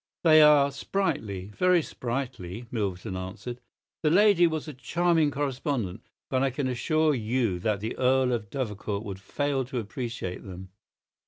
"They are sprightly—very sprightly," Milverton answered. "The lady was a charming correspondent. But I can assure you that the Earl of Dovercourt would fail to appreciate them.